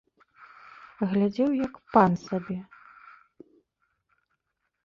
Глядзеў, як пан, сабе.